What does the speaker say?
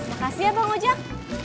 makasih ya bang ojak